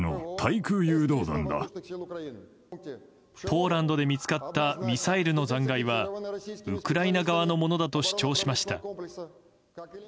ポーランドで見つかったミサイルの残骸はウクライナ側のものだと主張しました。